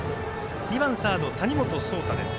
２番サード、谷本颯太です。